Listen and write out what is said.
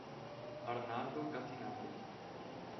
Arnaldo Catinari